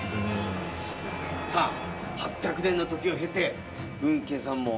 さあ８００年のときを経て運慶さんも。